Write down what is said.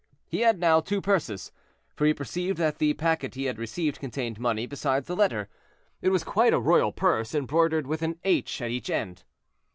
He had now two purses, for he perceived that the packet he had received contained money, besides the letter. It was quite a royal purse, embroidered with an "H" at each end.